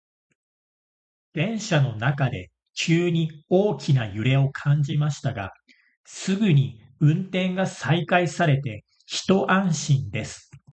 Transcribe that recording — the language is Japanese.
電車の中で急に大きな揺れを感じましたが、すぐに運転が再開されて一安心です。